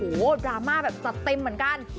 โอ้โหดราม่าแบบจัดเต็มเหมือนกัน